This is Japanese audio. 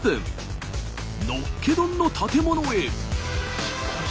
「のっけ丼」の建物へ。